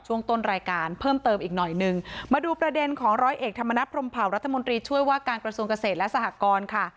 ช่วงต้นรายการเพิ่มเติมอีกหน่อยหนึ่งมาดูประเด็นของร้อยเอกธรรมนัฐพรมเผารัฐมนตรีช่วยว่าการกระทรวงเกษตรและสหกรค่ะ